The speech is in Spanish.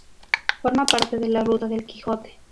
Forma parte de la Ruta del Quijote.